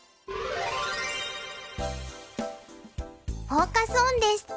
フォーカス・オンです。